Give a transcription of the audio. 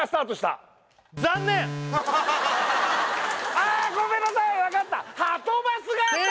ああっごめんなさい分かった！